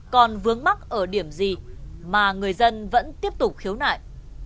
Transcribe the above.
còn vướng mắc ở điểm gì mà người dân vẫn tiếp tục khiếu nại